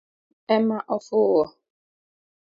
En ema ofuo